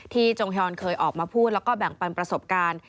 จงยอนเคยออกมาพูดแล้วก็แบ่งปันประสบการณ์